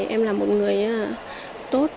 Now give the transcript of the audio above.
em làm một người tốt